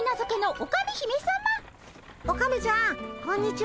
オカメちゃんこんにちは。